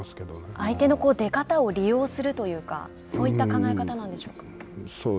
相手の出方を利用するというかそういった考え方なんでしょうか。